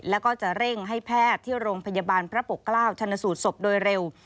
แล้วก็จะเร่งให้แพทย์ที่โรงพยาบาลพระปกเกล้าชนสูตรศพโดยเร็ว